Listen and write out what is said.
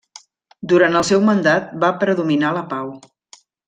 Durant el seu mandat va predominar la pau.